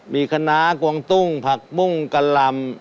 มีคณะกวงตุ้งผักบุ้งกะลำ